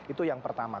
itu yang pertama